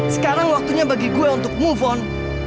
sekarang waktunya bagi gue untuk move on